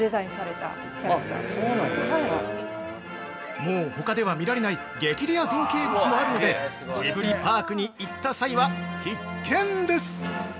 ◆もうほかでは見られない激レア造形物もあるのでジブリパークに行った際は必見です！